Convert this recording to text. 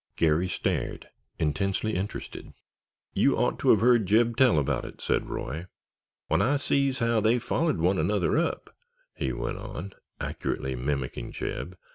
Garry stared, intensely interested. "You ought to have heard Jeb tell about it," said Roy. "'When I see es haow they follyed one anuther up,'" he went on, accurately mimicking Jeb.